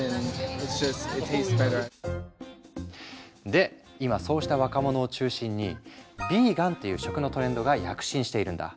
で今そうした若者を中心にヴィーガンっていう食のトレンドが躍進しているんだ。